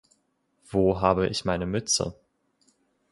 Wo habe ich meine Mütze?